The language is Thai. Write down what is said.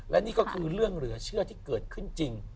และนี่ก็คือเรื่องเหลือเชื่อที่เกิดขึ้นจริง